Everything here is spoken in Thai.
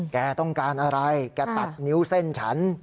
แกต้องการอะไรแกตัดนิ้วเส้นฉัน